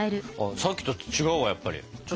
さっきと違うわやっぱり。